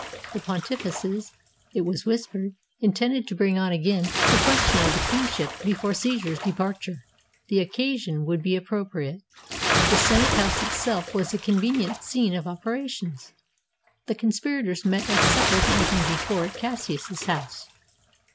The Pontifices, it was whispered, intended to bring on again the ques tion of the kingship before Caesar's departure. The occa sion would be appropriate. The Senate house itself was a convenient scene of operations. The conspirators met at supper the evening before at Cassius's house.